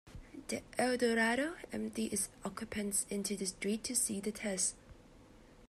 The Eldorado emptied its occupants into the street to see the test.